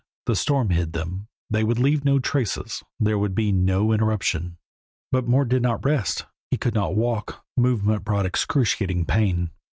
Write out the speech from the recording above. The storm hid them, they would leave no traces, there could be no interruption. But Mort did not rest. He could not walk; movement brought excruciating pain.